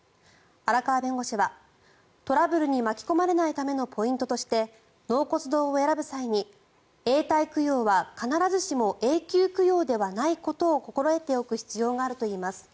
荒川弁護士はトラブルに巻き込まれないためのポイントとして納骨堂を選ぶ際に永代供養は必ずしも永久供養ではないことを心得ておく必要があるといいます。